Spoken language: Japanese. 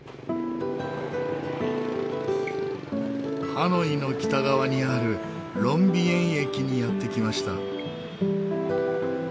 ハノイの北側にあるロンビエン駅にやってきました。